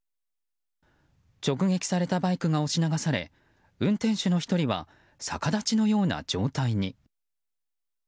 直撃されたバイクが押し流され運転手の１人は逆立ちのような状態に。